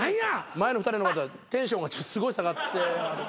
前の二人の方テンションがすごい下がって。